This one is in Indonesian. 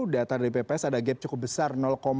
data dari bps ada gap cukup besar empat ratus lima puluh sembilan